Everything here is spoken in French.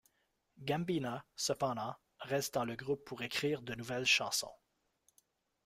Gambina, cependant, reste dans le groupe pour écrire de nouvelles chansons.